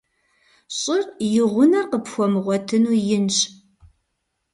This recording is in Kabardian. ЩӀыр, и гъунэр къыпхуэмыгъуэтыну, инщ.